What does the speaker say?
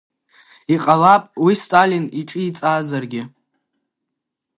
Иҟалап, уи Сталин иҿиҵаазаргьы…